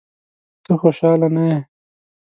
ته خوشاله نه یې؟